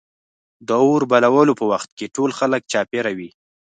د اور بلولو په وخت کې ټول خلک چاپېره وي.